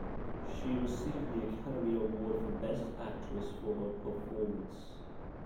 She received the Academy Award for Best Actress for her performance.